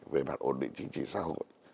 về mặt ổn định chính trị xã hội